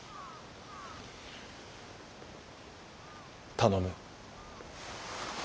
頼む。